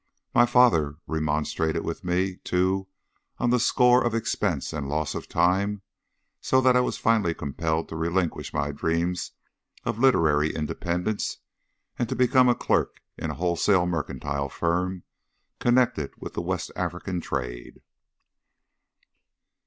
My father remonstrated with me too on the score of expense and loss of time, so that I was finally compelled to relinquish my dreams of literary independence and to become a clerk in a wholesale mercantile firm connected with the West African trade.